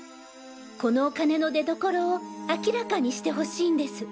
このお金の出所を明らかにしてほしいんです。